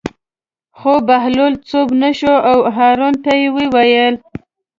خو بهلول چوپ نه شو او هارون ته یې وویل.